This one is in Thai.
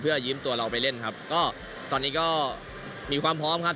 ยิ้มตัวเราไปเล่นครับก็ตอนนี้ก็มีความพร้อมครับ